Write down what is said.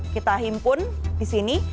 kita himpun di sini